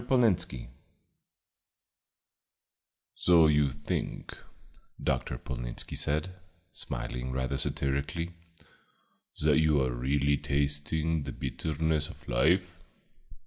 POLNITZSKI "So you think," Dr. Polnitzski said, smiling rather satirically, "that you are really tasting the bitterness of life?"